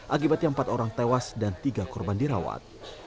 akibatnya empat orang tewas dan tiga korban dirawat